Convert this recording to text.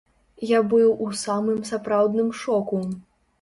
Я быў у самым сапраўдным шоку.